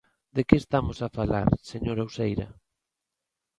¿De que estamos a falar, señora Uceira?